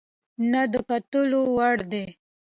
نه د کتلو وړ دى،